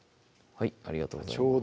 ありがとうございます